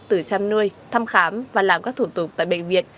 từ chăm nuôi thăm khám và làm các thủ tục tại bệnh viện